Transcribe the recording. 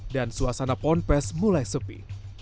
dan suasana pondfest mulai sepi